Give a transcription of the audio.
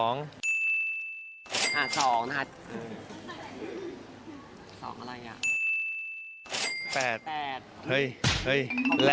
๒นะคะ